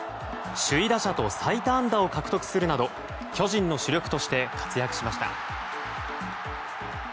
首位打者と最多安打を獲得するなど巨人の主力として活躍しました。